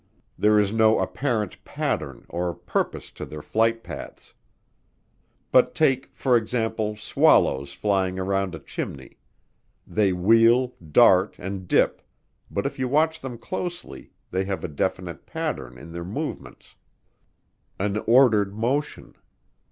There is no apparent pattern or purpose to their flight paths. But take, for example, swallows flying around a chimney they wheel, dart, and dip, but if you watch them closely, they have a definite pattern in their movements an ordered motion.